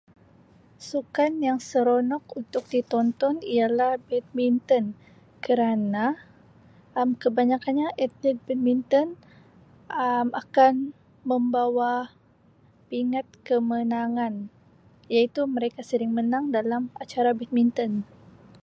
Sukan yang seronok untuk ditonton ialah Badminton kerana Um kebanyakkan nya atlet Badminton Um akan membawa pingat kemenangan iaitu mereka sering menang dalam acara Badminton.